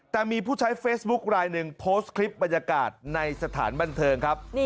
แต่มีผู้ใช้เฟซบุ๊คลายหนึ่งโพสต์คลิปบรรยากาศในสถานบันเทิงครับ